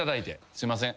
すいません。